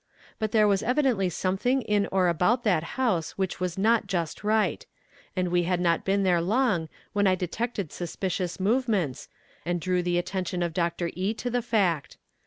But there was evidently something in or about that house which was not just right and we had not been there long when I detected suspicious movements, and drew the attention of Dr. E. to the fact.